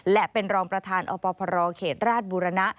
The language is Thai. และเป็นรองประธานอพรเขตราชบุรณะ